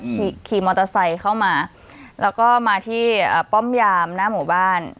ขี่ขี่มอเตอร์ไซค์เข้ามาแล้วก็มาที่ป้อมยามหน้าหมู่บ้าน